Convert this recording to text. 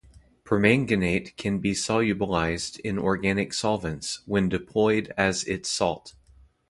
Permanganate can be solubilized in organic solvents, when deployed as its salt.